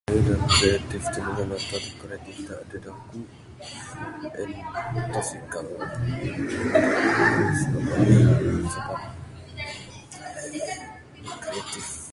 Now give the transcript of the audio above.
Kayuh da kreatif [unintelligible]